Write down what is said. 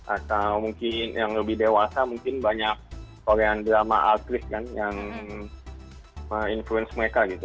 atau mungkin yang lebih dewasa mungkin banyak korean drama atlet kan yang influence mereka gitu